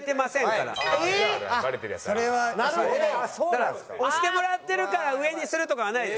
だから推してもらってるから上にするとかはないです。